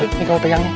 ini kamu pegangnya